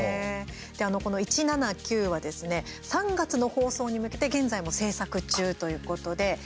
この「１７９」はですね３月の放送に向けて現在も制作中ということで。